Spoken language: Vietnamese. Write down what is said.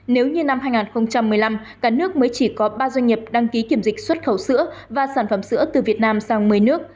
nếu như năm hai nghìn một mươi năm cả nước mới chỉ có ba doanh nghiệp đăng ký kiểm dịch xuất khẩu sữa và sản phẩm sữa từ việt nam sang một mươi nước